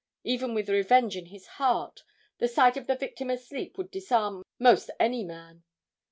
Even with revenge in his heart, the sight of his victim asleep would disarm most any man.